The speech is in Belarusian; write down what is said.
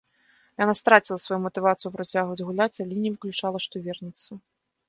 Яна страціла сваю матывацыю працягваць гуляць, але не выключала, што вернецца.